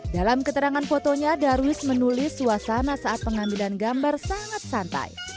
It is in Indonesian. dalam keterangan fotonya darwis menulis suasana saat pengambilan gambar sangat santai